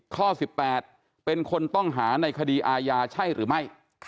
ข้อ๑๘เป็นคนต้องหาในคดีอาญาใช่หรือไม่